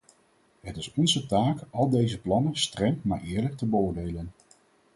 Het is onze taak al deze plannen streng maar eerlijk te beoordelen.